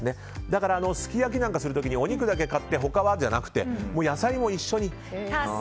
だからすき焼きなんかする時にお肉だけ買って他はじゃなくて野菜も一緒に。